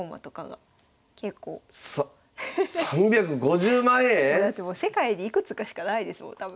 さ３５０万円⁉だってもう世界でいくつかしかないですもん多分。